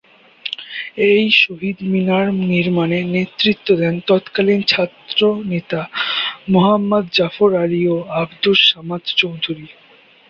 এই শহীদ মিনার নির্মাণে নেতৃত্ব দেন তৎকালীন ছাত্র নেতা মোহাম্মদ জাফর আলী ও আব্দুস সামাদ চৌধুরী।